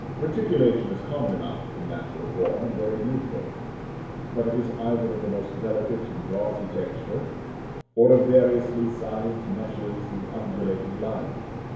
Reticulation is common enough in natural form, and very beautiful; but it is either of the most delicate and gauzy texture, or of variously sized meshes and undulating lines.